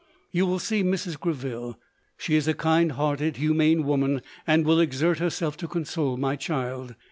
You will see Mrs. Greville : she is a kind hearted, humane woman, and will exert herself to console my child.